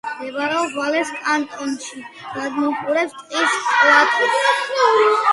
მდებარეობს ვალეს კანტონში, გადმოჰყურებს ტრის პლატოს.